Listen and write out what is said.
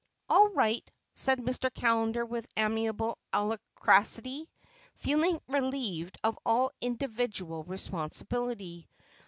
"All right," said Mr. Callender with amiable alacrity, feeling relieved of all individual responsibility.